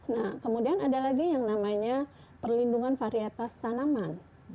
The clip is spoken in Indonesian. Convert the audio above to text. nah kemudian ada lagi yang namanya perlindungan varietas tanaman